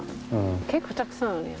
結構たくさんあるよ。